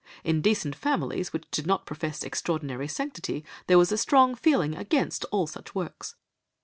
In decent families which did not profess extraordinary sanctity, there was a strong feeling against all such works.